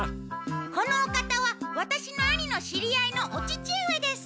このお方はワタシの兄の知り合いのお父上です。